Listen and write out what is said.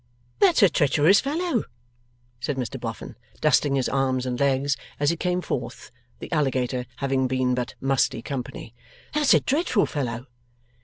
'That's a treacherous fellow,' said Mr Boffin, dusting his arms and legs as he came forth, the alligator having been but musty company. 'That's a dreadful fellow.